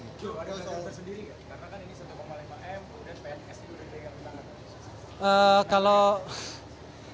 jangan lupa untuk berlangganan sendiri ya